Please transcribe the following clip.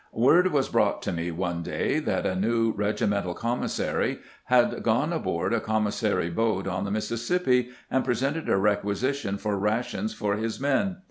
Word was brought to me one day that a new regimental commissary had gone aboard a commissary boat on the Mississippi and pre sented a requisition for rations for his men.